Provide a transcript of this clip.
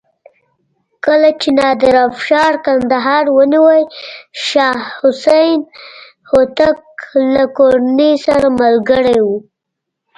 کله چې نادر افشار کندهار ونیو شاه حسین هوتک له کورنۍ سره ملګری و.